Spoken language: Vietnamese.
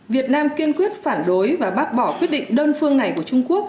việt nam kiên quyết phản đối và bác bỏ quyết định đơn phương này của trung quốc